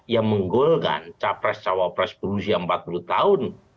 yang menggolkan capres cawapres berusia empat puluh tahun